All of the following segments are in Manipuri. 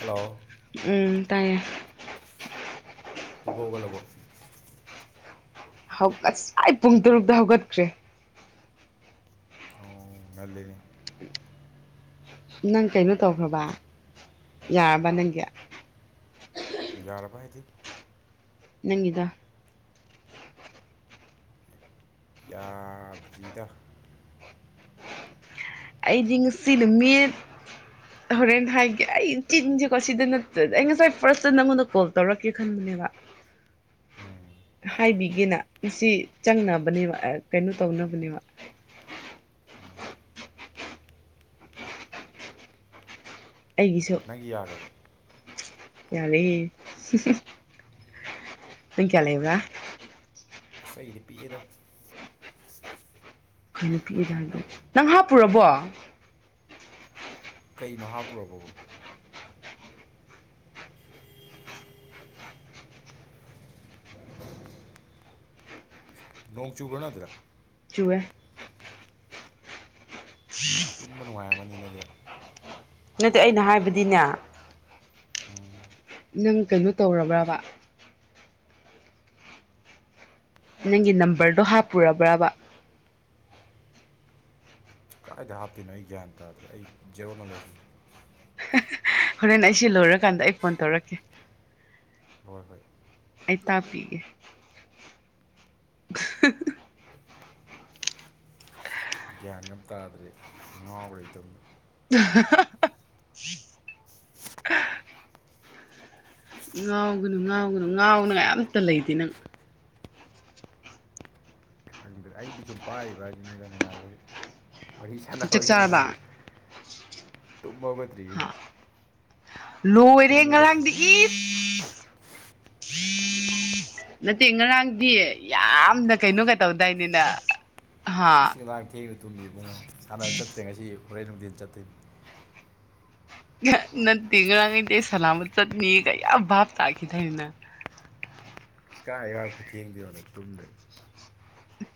ꯍꯜꯂꯣ ꯎꯝ ꯇꯥꯏꯌꯦ ꯇꯨꯝ ꯍꯧꯒꯠꯂꯕꯣ ꯉꯁꯥꯏ ꯄꯨꯡ ꯇꯔꯨꯛꯇ ꯍꯧꯒꯠꯈ꯭ꯔꯦ ꯑꯣ ꯉꯥꯜꯂꯦꯅꯦ ꯅꯪ ꯀꯩꯅꯣ ꯇꯧꯈ꯭ꯔꯕ ꯌꯥꯔꯕ ꯅꯪꯒꯤ ꯌꯥꯔꯕ ꯍꯥꯏꯗꯤ ꯅꯪꯒꯤꯗꯣ ꯌꯥꯗ꯭ꯕꯤꯗ ꯑꯩꯗꯤ ꯉꯁꯤ ꯅꯨꯃꯤꯠ ꯍꯣꯔꯦꯟ ꯍꯥꯏꯒꯦ ꯑꯩ ꯆꯤꯟꯁꯦꯀꯣ ꯁꯤꯗ ꯅꯠꯇꯗꯤ ꯑꯩ ꯉꯁꯥꯏ ꯐꯥꯔꯁꯇ ꯅꯪꯉꯣꯟꯗ ꯀꯣꯜ ꯇꯧꯔꯛꯀꯦ ꯈꯟꯕꯅꯦꯕ [unintelligible] ꯍꯥꯏꯕꯤꯒꯦꯅ ꯉꯁꯤ ꯆꯪꯅꯕꯅꯦꯕ ꯀꯩꯅꯣ ꯇꯧꯅꯕꯅꯦꯕ ꯑꯩꯒꯤꯁꯨ ꯅꯪꯒꯤ ꯌꯥꯈ꯭ꯔꯕ ꯌꯥꯔꯦ ꯅꯪ ꯀꯌꯥ ꯂꯩꯕ꯭ꯔꯥ ꯑꯁ ꯑꯩꯒꯤꯗꯤ ꯄꯤꯛꯑꯦꯗ ꯀꯩꯅꯣ ꯄꯤꯛꯏꯗꯤ ꯅꯪ ꯍꯥꯞꯄꯨꯔꯕꯣ ꯀꯩꯅꯣ ꯍꯥꯞꯄꯨꯔꯕꯣꯕꯣ ꯅꯣꯡ ꯆꯨꯕ꯭ꯔꯣ ꯅꯣꯢ ꯑꯗꯨꯗ ꯆꯨꯍꯦ ꯇꯨꯝꯕ ꯅꯨꯡꯉꯥꯏꯔꯝꯅꯤꯅꯦ ꯑꯗꯨꯗꯤ ꯅꯠꯇꯦ ꯑꯩꯅ ꯍꯥꯏꯕꯗꯤꯅꯦ ꯅꯪ ꯀꯩꯅꯣ ꯇꯧꯔꯕ꯭ꯔꯕ ꯅꯪꯒꯤ ꯅꯝꯕꯔꯗꯣ ꯍꯥꯞꯄꯨꯔꯕ꯭ꯔꯕ ꯀꯥꯏꯗ ꯍꯥꯞꯇꯣꯏꯅꯣ ꯑꯩ ꯒ꯭ꯌꯥꯟ ꯇꯥꯗ꯭ꯔꯦ ꯑꯩ ꯖꯦꯔꯣ ꯅꯣꯂꯦꯖ ꯍꯣꯔꯦꯟ ꯑꯩꯁꯤ ꯂꯣꯏꯔꯀꯥꯟꯗ ꯑꯩ ꯐꯣꯟ ꯇꯧꯔꯛꯀꯦ ꯍꯣꯏ ꯍꯣꯏ ꯑꯩ ꯇꯥꯛꯄꯤꯒꯦ [inaudible] ꯒ꯭ꯌꯥꯟ ꯒꯥ ꯑꯝ ꯇꯥꯗ꯭ꯔꯦ ꯉꯥꯎꯔꯦ ꯇꯧꯔꯤꯁꯦ [inaudible] ꯉꯥꯎꯒꯅꯨ ꯉꯥꯎꯒꯅꯨ ꯉꯥꯎꯅꯤꯡꯉꯥꯏ ꯑꯝꯇ ꯂꯩꯇꯦ ꯅꯪ ꯑꯩꯗꯤ ꯁꯨꯝ ꯄꯥꯏꯔꯤꯕ ꯍꯥꯏꯗꯨꯅꯤꯗ ꯅꯨꯡꯉꯥꯏꯕꯒꯤ ꯋꯥꯔꯤ ꯆꯥꯛ ꯁꯥꯟꯅꯕꯒꯤ ꯆꯥꯔꯕ ꯃꯌꯥꯝ ꯇꯨꯝꯃꯒꯗ꯭ꯔꯤꯌꯦ ꯂꯣꯏꯔ ꯍꯉ ꯍꯧꯒꯠꯇ꯭ꯔꯤ ꯂꯪꯗꯤ ꯅꯠꯇꯦ ꯉꯔꯥꯡꯗꯤ ꯌꯥꯝꯅ ꯀꯩꯅꯣꯒ ꯇꯧꯗꯥꯏꯅꯦꯅ ꯏꯁꯤꯡ ꯂꯥꯡ [inaudible] ꯊꯦꯑꯒ ꯇꯨꯝꯃꯤ ꯏꯕꯨꯡꯣ ꯁꯥꯟꯅꯕꯔ ꯆꯠꯇ꯭ꯔꯦ ꯉꯁꯤ ꯍꯣꯔꯦꯟ ꯅꯨꯡꯊꯤꯟ ꯆꯠꯇꯣꯏꯅꯤ ꯅꯠꯇꯦ ꯉꯔꯥꯡ ꯀꯔꯤꯒꯦꯠ ꯆꯠꯅꯤꯅ ꯚꯥꯞ ꯌꯥꯝ ꯇꯥꯈꯤꯗꯥꯢꯅꯦ ꯅꯪ ꯀꯥꯏ ꯉꯔꯤꯡ ꯈꯨꯠꯊꯦꯡꯗꯣꯌꯣ ꯇꯨꯝꯗ꯭ꯔꯦ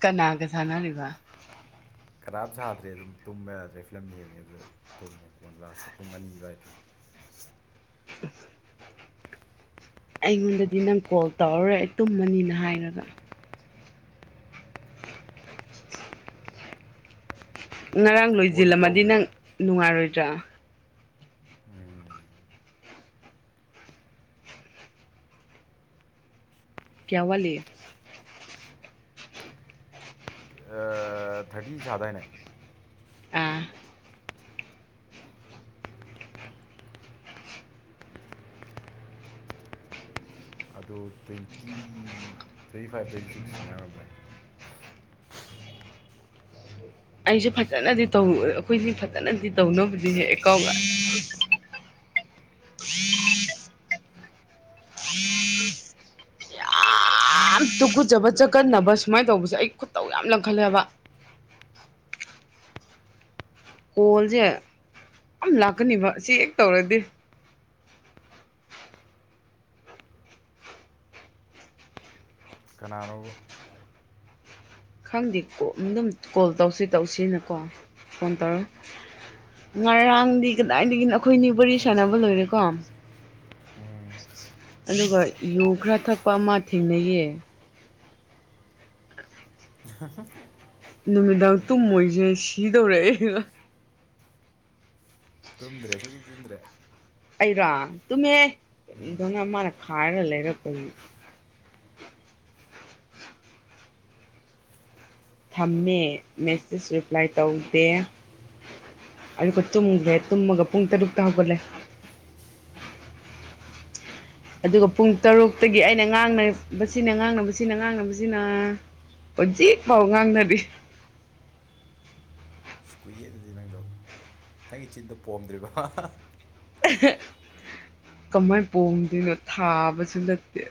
ꯀꯅꯥꯒ ꯁꯥꯟꯅꯔꯤꯕ ꯀꯔꯥꯝ ꯁꯥꯗ꯭ꯔꯦ ꯑꯗꯨꯝ ꯇꯨꯝꯕ ꯌꯥꯗ꯭ꯔꯦ ꯐꯤꯂꯝ ꯍꯡꯉꯦ ꯑꯗꯨꯗ ꯊꯨꯝꯉꯦ ꯄꯣꯟ ꯂꯥꯁꯇ ꯄꯨꯡ ꯑꯅꯤ ꯑꯗꯨꯋꯥꯏꯗ [unintelligible] ꯑꯩꯉꯣꯟꯗꯗꯤ ꯅꯪ ꯀꯣꯜ ꯇꯧꯔꯔꯣꯏ ꯑꯩ ꯇꯨꯝꯃꯅꯤꯅ ꯍꯥꯏꯔꯒ ꯉꯔꯥꯡ ꯀꯣꯜꯗꯤ ꯂꯣꯏꯁꯤꯜꯂꯝꯃꯗꯤ ꯇꯧꯗ꯭ꯔꯦ ꯅꯪ ꯅꯨꯡꯉꯥꯏꯔꯣꯏꯗ꯭ꯔꯥ ꯎꯝ ꯀꯌꯥ ꯋꯥꯂꯤ ꯊꯥꯔꯇꯤ ꯁꯥꯗꯅꯦ ꯑꯥ ꯑꯗꯣ twenty twenty five twenty six ꯃꯥꯡꯔꯕ꯭ꯔꯥ ꯑꯩꯁꯨꯦ ꯐꯖꯅꯗꯤ ꯇꯧꯔ ꯑꯩꯈꯣꯏꯁꯤ ꯐꯖꯅꯗꯤ ꯇꯧꯅꯕꯗꯨꯅꯦ ꯑꯦ ꯀꯥꯎ ꯌꯥꯝ ꯇꯨꯀꯨꯠꯆꯕ ꯆꯠꯀꯟꯅꯅꯕ ꯁꯨꯃꯥꯏꯅ ꯇꯧꯕꯁꯦ ꯑꯩ ꯈꯨꯠꯇꯧ ꯌꯥꯝ ꯂꯪꯈꯠꯂꯦꯕ ꯀꯣꯜꯁꯦ ꯌꯥꯝ ꯂꯥꯛꯀꯅꯦꯕ ꯆ ꯍꯦꯛ ꯇꯧꯔꯗꯤ ꯀꯅꯥꯅꯣ ꯈꯪꯗꯦ ꯑꯗꯨꯝ ꯀꯣꯜ ꯇꯧꯁꯤ ꯇꯧꯁꯤꯅꯀꯣ ꯐꯣꯟ ꯇꯧꯔꯣ ꯉꯔꯥꯡꯗꯤ ꯀꯗꯥꯏꯗꯒꯤ ꯑꯩꯈꯣꯏꯅꯤ ꯁꯥꯟꯅꯕ ꯂꯣꯏꯔꯦꯀꯣ ꯑꯗꯨꯒ ꯌꯨ ꯈꯔ ꯊꯛꯄ ꯑꯃ ꯊꯦꯡꯅꯩꯌꯦ [unintelligible] ꯅꯨꯃꯤꯗꯥꯡ ꯇꯨꯝ ꯃꯣꯏꯁꯦ ꯁꯤꯗꯧꯔꯛꯏꯦ ꯇꯨꯝꯗ꯭ꯔꯦ ꯁꯨꯗ ꯇꯨꯝꯗ꯭ꯔꯦ ꯑꯩꯔꯥ ꯇꯨꯝꯃꯦ ꯎꯝ ꯑꯗꯨꯅ ꯃꯥꯅ ꯈꯥꯏꯔꯒ ꯂꯩꯔꯛꯄꯅꯤ ꯊꯝꯃꯦ ꯃꯦꯁꯦꯁ ꯔꯤꯄ꯭ꯂꯥꯏ ꯇꯧꯗꯦ ꯑꯗꯨꯒ ꯇꯨꯝꯒ꯭ꯔꯦ ꯇꯨꯝꯃꯒ ꯄꯨꯡ ꯇꯔꯨꯛꯇ ꯍꯧꯒꯠꯂꯦ ꯑꯗꯨꯒ ꯄꯨꯡ ꯇꯔꯨꯛꯇꯒꯤ ꯑꯩꯅ ꯉꯥꯡꯅꯕꯁꯤꯅ ꯉꯥꯡꯅꯕꯁꯤꯅ ꯉꯥꯡꯅꯕꯁꯤꯅ ꯍꯧꯖꯤꯛꯐꯥꯎ ꯉꯥꯡꯅꯔꯤ ꯁꯀꯨꯏꯜ ꯑꯗꯨ ꯅꯪꯗꯧ ꯅꯪꯒꯤ ꯆꯤꯟꯗꯣ ꯄꯣꯝꯗ꯭ꯔꯤꯕ ꯀꯃꯥꯏꯅ ꯄꯣꯡꯗꯣꯏꯅꯣ ꯊꯥꯕꯁꯨ ꯅꯠꯇꯦ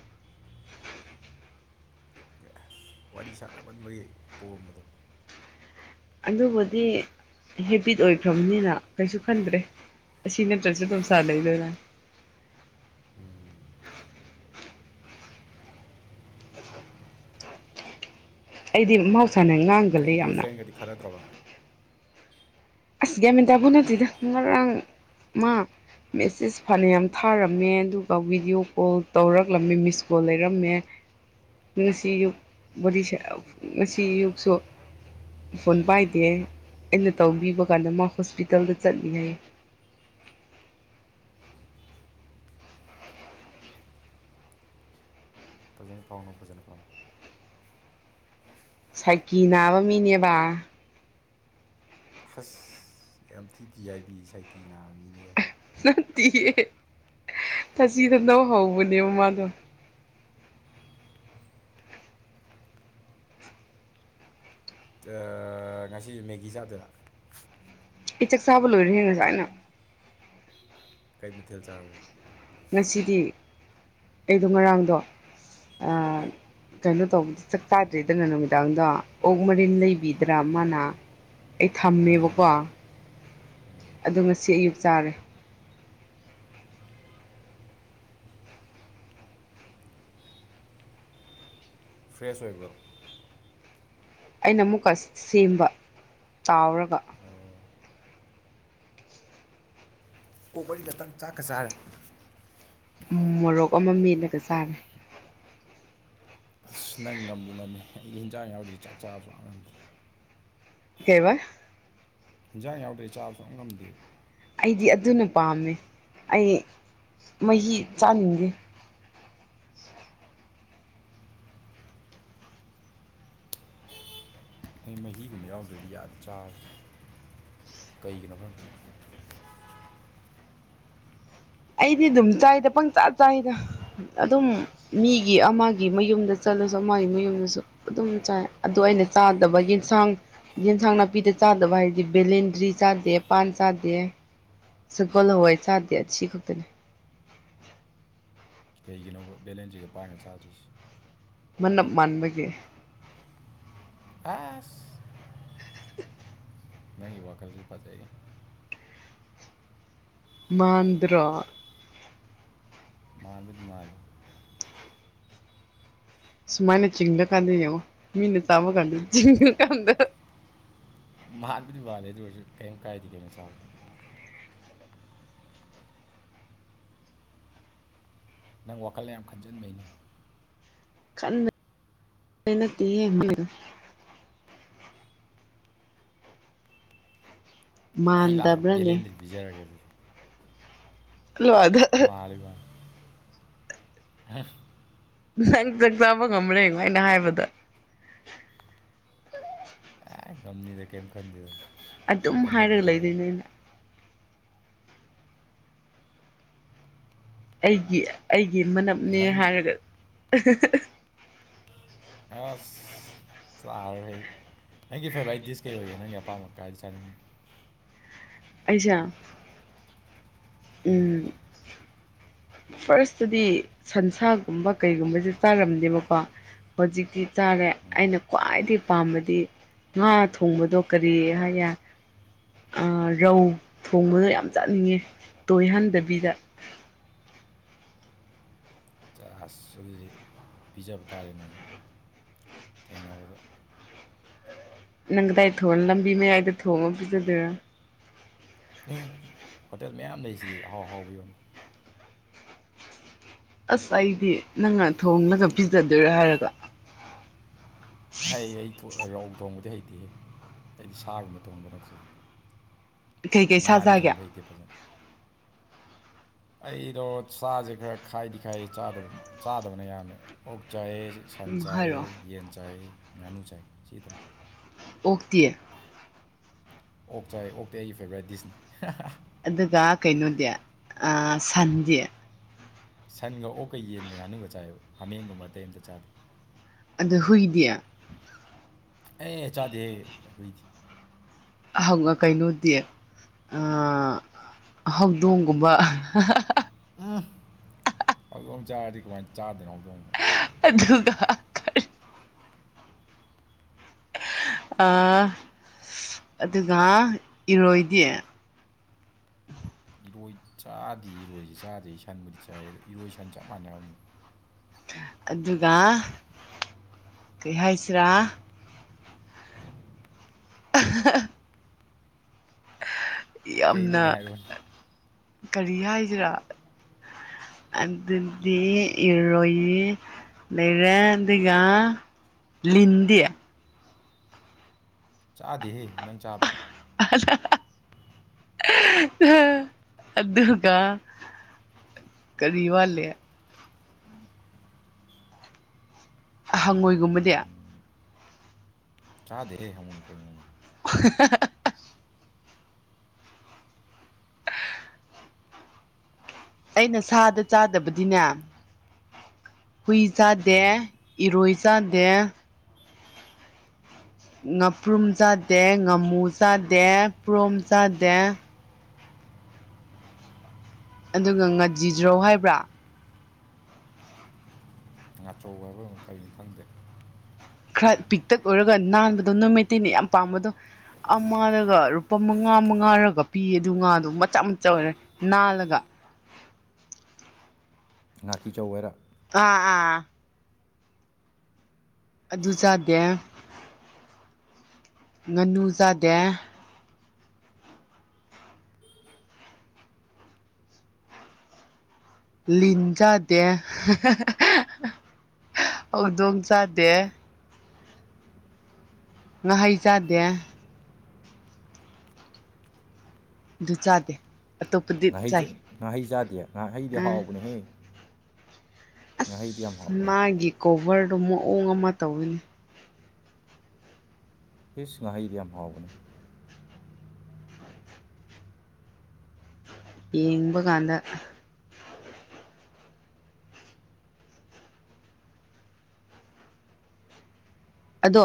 ꯋꯥꯔꯤ ꯁꯥꯟꯅꯕ ꯃꯣꯏꯌꯦꯛ ꯄꯣꯝꯕꯗꯣ ꯑꯗꯨꯕꯨꯗꯤ ꯍꯦꯕꯤꯠ ꯑꯣꯏꯈ꯭ꯔꯕꯅꯤꯅ ꯀꯩꯁꯨ ꯈꯟꯗ꯭ꯔꯦ ꯑꯁꯤꯅꯦꯇꯔꯁꯨ ꯄꯁꯥ ꯂꯩꯅ ꯑꯩꯗꯤ ꯃꯍꯧꯁꯥꯅ ꯉꯥꯡꯒꯜꯂꯤ ꯌꯥꯝꯅ ꯗꯤ ꯈꯔꯗ꯭ꯔꯕ ꯑꯁꯒꯃꯤꯦꯟꯇꯕ ꯅꯠꯇꯗ ꯉꯔꯥꯡ ꯃꯥ ꯃꯦꯁꯦꯖ ꯐꯅꯌꯥꯝ ꯊꯥꯔꯝꯃꯦ ꯑꯗꯨꯒ ꯚꯕꯤꯗꯤꯑꯣ ꯀꯣꯜ ꯇꯧꯔꯛꯂꯝꯃꯦ ꯃꯤꯁ ꯀꯣꯜ ꯂꯩꯔꯝꯃꯦ ꯉꯁꯤ ꯑꯌꯨꯛ ꯕꯣ ꯉꯁꯤ ꯑꯌꯨꯛꯁꯨ ꯐꯣꯟ ꯄꯥꯏꯗꯦ ꯑꯩꯅ ꯇꯧꯕꯤꯕ ꯀꯥꯟꯗ ꯃꯥ ꯍꯣꯁꯄꯤꯇꯥꯜꯗ ꯆꯠꯂꯤꯉꯩ ꯄꯥꯎꯅ ꯐꯖꯅ ꯐꯪ ꯁꯥꯏꯀꯤ ꯅꯥꯕ ꯃꯤꯅꯦꯕ ꯐꯥꯁ ꯑꯦꯝꯇ ꯗꯤ ꯑꯥꯏ ꯕꯤꯁ ꯑꯥꯏ ꯇꯤꯅꯅꯥ ꯃꯤꯅꯦ ꯅꯠꯇ ꯊꯥꯖꯤꯗ ꯅꯧ ꯍꯧꯕꯅꯦꯕ ꯃꯥꯗꯣ ꯉꯁꯤ ꯃꯦꯒꯤꯗ ꯏꯆꯛ ꯁꯥꯥꯕ ꯂꯣꯏꯔꯦꯅꯁꯨꯥꯏꯅ ꯀꯩ ꯃꯊꯦꯜ ꯆꯥꯡꯏꯦ ꯉꯁꯤꯗꯤ ꯑꯩꯗꯣ ꯉꯔꯥꯡꯗꯣ ꯀꯩꯅꯣ ꯇꯧꯕꯗ ꯆꯥꯛꯇꯥꯥꯗ꯭ꯔꯦꯗꯅ ꯅꯨꯃꯤꯗꯥꯡꯗꯣ ꯑꯣꯛ ꯃꯔꯤꯟ ꯂꯩꯕꯤꯗ꯭ꯔꯥ ꯃꯥꯅ ꯑꯩ ꯊꯝꯃꯦꯕꯀꯣ ꯑꯗꯣ ꯉꯁꯤ ꯑꯌꯨꯛ ꯆꯥꯔꯦ ꯐ꯭ꯔꯦꯁ ꯑꯣꯏꯕ꯭ꯔꯣ ꯑꯩꯅ ꯑꯃꯨꯛꯀ ꯁꯦꯝꯕ ꯇꯥꯎꯔꯒ ꯀꯣꯕꯔꯤꯗꯛꯇꯪ ꯆꯥꯛꯀ ꯆꯥꯔꯦ ꯃꯣꯔꯣꯛ ꯑꯃ ꯃꯦꯠꯂꯒ ꯆꯥꯔꯦ ꯑꯁ ꯅꯪ ꯉꯝꯕꯕꯨ ꯉꯝꯃꯦ ꯑꯩꯒꯤ ꯍꯤꯟꯖꯥꯡ ꯌꯥꯎꯔꯗꯤ ꯆꯥꯛ ꯆꯥꯕ ꯁꯨꯛ ꯉꯝ ꯉꯝꯗꯦ ꯀꯩꯕꯥ ꯍꯤꯟꯖꯥꯡ ꯌꯥꯎꯗ꯭ꯔꯦ ꯆꯥꯕ ꯁꯨꯛ ꯉꯝ ꯉꯝꯗꯦꯕ ꯑꯩꯗꯤ ꯑꯗꯨꯅ ꯄꯥꯝꯃꯦ ꯑꯩ ꯃꯍꯤ ꯆꯥꯅꯤꯡꯗꯦ ꯁꯤꯒꯨꯝꯕ ꯌꯥꯎꯗ꯭ꯔꯗꯤ ꯑ ꯆꯥ ꯀꯩꯒꯤꯅꯣ ꯈꯪꯗꯦ ꯑꯩꯗꯤ ꯑꯗꯨꯝ ꯆꯥꯏꯗ ꯄꯪ ꯆ ꯆꯥꯏꯗ ꯑꯗꯨꯝ ꯃꯤꯒꯤ ꯑꯃꯒꯤ ꯃꯌꯨꯝꯗ ꯆꯠꯂꯁꯨ ꯑꯃꯒꯤ ꯃꯌꯨꯝꯗꯁꯨ ꯑꯗꯨꯝ ꯆꯥꯏ ꯑꯗꯨ ꯑꯩꯅ ꯆꯥꯗꯕꯒꯤ ꯌꯦꯟꯁꯥꯡ ꯌꯦꯟꯁꯥꯡ ꯅꯥꯄꯤꯗ ꯆꯥꯗꯕ ꯍꯥꯏꯗꯤ ꯕꯦꯂꯦꯟꯗ꯭ꯔꯤ ꯆꯥꯗꯦ ꯄꯥꯟ ꯆꯥꯗꯦ ꯁꯒꯣꯜ ꯍꯋꯥꯏ ꯆꯥꯗꯦ ꯑꯁꯤ ꯈꯛꯇꯅꯦ ꯀꯩꯒꯤꯅꯣ ꯕꯦꯂꯦꯟꯁꯁꯤꯒ ꯄꯥꯏꯒ ꯆꯥꯗꯣꯏꯔꯤꯁꯤ ꯃꯅꯞ ꯃꯥꯟꯕꯒꯤ ꯑꯥꯁ ꯅꯪꯒꯤ ꯋꯥꯈꯜꯗꯨ ꯄꯥꯖꯩꯌꯦ ꯃꯥꯥꯟꯗ꯭ꯔꯣ ꯃꯥꯜꯕꯨꯗꯤ ꯃꯥꯜꯂꯦ ꯁꯨꯃꯥꯏꯅ ꯆꯤꯡꯉ ꯀꯥꯟꯗ ꯌꯦꯡꯉꯣ ꯃꯤꯅ ꯆꯥꯕ ꯀꯥꯟꯗ ꯆꯤꯡꯉꯀꯥꯟꯗ ꯃꯥꯜꯕꯨꯗꯤ ꯃꯥꯜꯂꯤ ꯑꯗꯨ ꯑꯣꯏꯔꯁꯨ ꯀꯔꯤꯝ ꯀꯥꯏꯗꯗꯤ ꯀꯩꯅꯣ ꯆꯗ ꯅꯪ ꯋꯥꯈꯜꯗ ꯌꯥꯝ ꯈꯟꯖꯤꯟꯕꯩꯅꯤ ꯀꯟꯅ ꯅꯠꯇꯦ ꯌꯦꯕꯤꯔꯣ ꯑꯩ ꯂꯥꯛꯑꯒ ꯃꯥꯟꯗꯕ꯭ꯔꯅꯦ ꯕꯦꯂꯦꯟꯗꯨꯗꯤ ꯄꯤꯖꯔꯒꯦ ꯑꯗꯨꯗꯤ ꯍꯜꯂꯣ ꯃꯥꯔꯒ ꯅꯪ ꯆꯥꯛ ꯆꯥꯕ ꯉꯝꯕ꯭ꯔ ꯌꯦꯡꯉꯣ ꯑꯩꯅ ꯍꯥꯏꯕꯗ ꯍꯥꯏ ꯉꯝꯅꯤꯗ ꯀꯔꯤꯝ ꯈꯟꯗꯦꯗ ꯌꯥꯝ ꯑꯗꯨꯝ ꯍꯥꯏꯔꯒ ꯈꯟꯖꯟꯗ꯭ꯔꯒ ꯂꯣꯏ ꯂꯩꯗꯣꯏꯅꯦ ꯑꯩꯅ ꯑꯩꯒꯤ ꯑꯩꯒꯤ ꯃꯅꯞꯅꯦ ꯅꯪ ꯍꯥꯏꯔꯒ ꯑꯁ ꯆ ꯍꯩ ꯑꯩꯒꯤ ꯐꯦꯕꯣꯔꯥꯏꯠ ꯗꯤꯁ ꯀꯩ ꯑꯣꯏꯒꯦ ꯅꯪꯒꯤ ꯑꯄꯥꯝꯕ ꯑꯝꯇ ꯍꯥꯏ ꯆꯥꯅꯤꯡꯉꯤ ꯑꯩꯁꯥ ꯎꯝ ꯐꯥꯔꯁꯇꯗꯤ ꯁꯟꯁꯥꯒꯨꯝꯕ ꯀꯩꯒꯨꯝꯕꯁꯦ ꯇꯥꯔꯝꯗꯦꯕꯀꯣ ꯍꯧꯖꯤꯛꯇꯤ ꯆꯥꯔꯦ ꯑꯩꯅ ꯈ꯭ꯋꯥꯏꯗꯒꯤ ꯄꯥꯝꯕꯗꯤ ꯉꯥ ꯊꯣꯡꯕꯗꯣ ꯀꯔꯤ ꯍꯥꯏꯌꯦ ꯔꯧ ꯊꯣꯡꯕꯗꯣ ꯌꯥꯝ ꯆꯥꯅꯤꯡꯉꯦ ꯇꯣꯏꯍꯟꯗꯕꯤꯗ ꯑꯗꯨꯁ ꯄꯤꯖꯕ ꯇꯥꯔꯦ ꯊꯦꯡꯅꯕꯗ ꯅꯪ ꯀꯗꯥꯏ ꯊꯣꯡ ꯂꯝꯕꯤ ꯃꯌꯥꯏꯗ ꯊꯣꯡꯉ ꯄꯤꯖꯗꯣꯏꯔꯣ ꯑꯦ ꯍꯣꯇꯦꯜ ꯃꯌꯥꯝ ꯂꯩꯁꯤꯗꯤ ꯑꯍꯥꯎ ꯑꯍꯥꯎꯕ ꯌꯣꯟꯃꯤ ꯑꯁ ꯑꯩꯗꯤ ꯅꯪꯅ ꯊꯣꯡꯂꯒ ꯄꯤꯖꯗꯣꯏꯔꯥ ꯍꯥꯏꯔꯒ ꯍꯩ ꯑꯩ ꯔꯧ ꯊꯣꯡꯕꯗꯤ ꯍꯩꯇꯦ ꯑꯩꯗꯤ ꯁꯥꯒꯨꯝꯕ ꯊꯣꯡꯕ ꯅꯆꯩ ꯀꯩꯀꯩ ꯁꯥ ꯉꯥꯗꯤ ꯆꯥꯒꯦ ꯊꯣꯡꯕ ꯍꯩꯇꯦ ꯐꯖꯅ ꯑꯩꯗꯣ ꯁꯥꯁꯦ ꯈꯔ ꯈꯥꯏꯗꯤ ꯈꯥꯏ ꯆꯥꯗꯕꯅ ꯌꯥꯝꯃꯦ ꯑꯣꯛ ꯆꯥꯏꯑ ꯁꯟ ꯎꯝ ꯍꯥꯏꯔꯣ ꯆꯥꯏ ꯌꯦꯟ ꯆꯥꯏ ꯉꯥꯅꯨ ꯆꯥꯏ ꯁꯤꯇꯅꯤ ꯑꯣꯛꯇꯤ ꯑꯣꯛ ꯆꯥꯏ ꯑꯣꯛꯇꯤ ꯑꯩꯒꯤ ꯐꯦꯕ꯭ꯔꯥꯏꯠ ꯗꯤꯁꯅꯤ ꯑꯗꯨꯒ ꯀꯩꯅꯣꯗꯤ ꯁꯟꯗꯤ ꯁꯟꯒ ꯑꯣꯛꯀ ꯌꯦꯟꯒ ꯉꯥꯅꯨꯒ ꯆꯥꯏꯕ ꯍꯥꯃꯦꯡꯒꯨꯝꯕ ꯑꯇꯩ ꯑꯝꯇ ꯆꯥꯗꯦ ꯑꯗꯨ ꯍꯨꯏꯗꯤ ꯑꯦ ꯆꯥꯗꯦꯍ ꯑꯩꯈꯏꯗꯤ ꯀꯩꯅꯣꯗꯤ ꯍꯧꯗꯣꯡꯒꯨꯝꯕ ꯆꯥ ꯆꯥꯗꯗ ꯑꯗꯨꯒ ꯑꯗꯨꯒꯒ ꯑꯗꯨꯒ ꯏꯔꯣꯏꯗꯤ ꯏꯔꯣꯏ ꯆꯥꯗꯤ ꯏꯔꯣꯏꯁꯤ ꯆꯥꯗꯦ ꯁꯟꯕꯨꯗꯤ ꯆꯥꯏ ꯏꯔꯣꯏ ꯁꯟ ꯆꯞ ꯃꯥꯟꯅꯝꯃꯤ ꯑꯗꯨꯒ ꯀꯩ ꯍꯥꯏꯁꯤꯔꯥ ꯐ ꯑ [unintelligible] ꯌꯥꯝꯅ ꯀꯩꯅꯣꯅꯦ ꯍꯥꯏꯔꯣꯅꯦ ꯀꯔꯤ ꯍꯥꯏꯁꯤꯔꯥ ꯑꯗꯨꯗꯤ ꯏꯔꯣꯌ ꯂꯩꯔꯦ ꯑꯗꯨꯒ ꯂꯟꯗꯤ ꯆꯥꯗꯦꯍꯦ ꯅꯪ ꯆꯥꯕ꯭ꯔꯥ ꯑꯗ [unintelligible] ꯑꯗꯨꯒ ꯀꯔꯤ ꯋꯥꯂꯦ ꯍꯪꯉꯣꯏꯒꯨꯝꯕꯗꯤ ꯆꯥꯗꯦꯍꯦ ꯍꯪꯉꯣꯏ ꯀꯩꯅꯣ [inaudible] ꯑꯩꯅ ꯁꯥꯗ ꯆꯥꯗꯕꯗꯤꯅꯦ ꯍꯨꯏ ꯆꯥꯗꯦ ꯏꯔꯣꯏ ꯆꯥꯗꯦ ꯉꯥꯄ꯭ꯔꯨꯝ ꯆꯥꯗꯦ ꯉꯥꯃꯨ ꯆꯥꯗꯦ ꯄꯣꯔꯣꯝ ꯆꯥꯗꯦ ꯑꯗꯨꯒ ꯉꯖꯤꯖꯧ ꯍꯥꯏꯕ꯭ꯔꯥ ꯉꯥꯆꯧꯕ ꯍꯥꯏꯕꯔ ꯑꯃ ꯀꯔꯤꯅꯣ ꯈꯪꯗꯦ ꯈꯔ ꯄꯤꯛꯇꯛ ꯑꯣꯏꯔꯒ ꯅꯥꯟꯕꯗꯣ ꯅꯣꯏ ꯃꯩꯇꯩꯅ ꯌꯥꯝ ꯄꯥꯝꯕꯗꯣ ꯑꯃꯗꯒ ꯂꯨꯄꯥ ꯃꯉꯥ ꯃꯉꯥꯔꯒ ꯄꯤꯌꯦ ꯑꯗꯨ ꯉꯥꯗꯣ ꯃꯆꯥ ꯃꯆꯥ ꯑꯣꯏꯔꯒ ꯅꯥꯜꯂꯒ ꯅꯥꯀꯤꯆꯧꯔꯥ ꯑꯥ ꯑꯥ ꯑꯗꯨ ꯆꯥꯗꯦ ꯉꯥꯅꯨ ꯆꯥꯗꯦ ꯂꯤꯟ ꯆꯥꯗꯦ ꯍꯧꯗꯣꯡ ꯆꯥꯗꯦ ꯉꯍꯩ ꯆꯥꯗꯦ ꯑꯗꯨ ꯆꯥꯗꯦ ꯑꯇꯣꯞꯄꯗꯤ ꯉꯍꯩ ꯆꯥꯏ ꯉꯥꯍꯩ ꯆꯥꯗꯦ ꯉꯥꯍꯩꯗꯤ ꯑꯥ ꯍꯥꯎꯕꯅꯦꯍꯦ ꯉꯥꯍꯩꯗꯤ ꯌꯥꯝ ꯑꯁ ꯍꯥꯎꯕꯅꯦ ꯃꯥꯒꯤ ꯀꯣꯚꯔꯗꯣ ꯃꯑꯣꯡ ꯑꯃ ꯇꯧꯕꯅꯤ ꯑꯤꯁ ꯉꯥꯍꯩꯗꯤ ꯌꯥꯝ ꯍꯥꯎꯕꯅꯤ ꯌꯦꯡꯕ ꯀꯥꯟꯗ ꯑꯗꯣ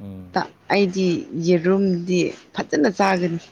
ꯎꯝ ꯑꯩꯗꯤ ꯌꯦꯔꯨꯝꯗꯤ ꯐꯖꯅ ꯆꯥꯒꯅꯤ